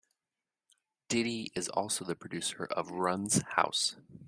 Diddy is also the producer of "Run's House".